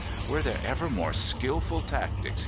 "Were there ever more skilful tactics?"